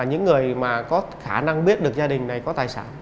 những người mà có khả năng biết được gia đình này có tài sản